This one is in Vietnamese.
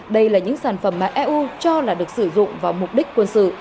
đây là những sản phẩm mà eu cho là được sử dụng vào mục đích quân sự